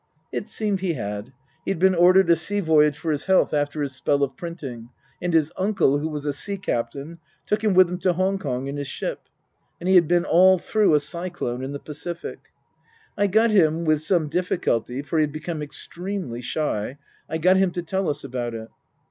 It seemed he had. He'd been ordered a sea voyage for his health after his spell of printing ; and his uncle, who was a sea captain, took him with him to Hong Kong in his ship. And he had been all through a cyclone in the Pacific. I got him with some difficulty, for he had become extremely shy I got him to tell us about it.